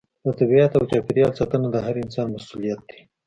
د طبیعت او چاپیریال ساتنه د هر انسان مسؤلیت دی.